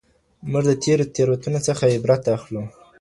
موږ د تېرو تېروتنو څخه عبرت اخلو.